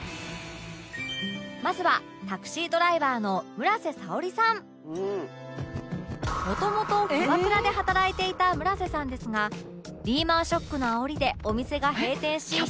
まずはもともとキャバクラで働いていた村瀬さんですがリーマンショックのあおりでお店が閉店し失業